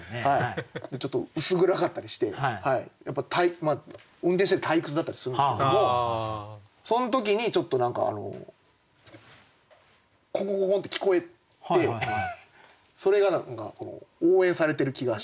ちょっと薄暗かったりして運転してて退屈だったりするんですけどもその時にちょっと何かコンコンコンコンって聞こえてそれが何か応援されてる気がして。